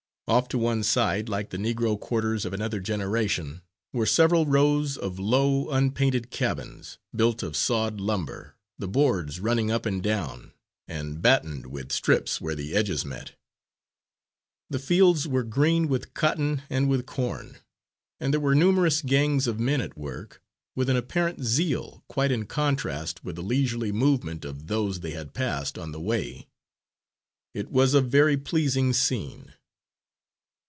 Off to one side, like the Negro quarters of another generation, were several rows of low, unpainted cabins, built of sawed lumber, the boards running up and down, and battened with strips where the edges met. The fields were green with cotton and with corn, and there were numerous gangs of men at work, with an apparent zeal quite in contrast with the leisurely movement of those they had passed on the way. It was a very pleasing scene.